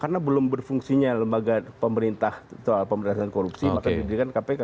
karena belum berfungsinya lembaga pemerintah soal pemberantasan korupsi maka dikonsideran kpk